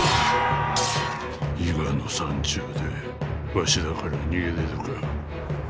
伊賀の山中でわしらから逃げれるか。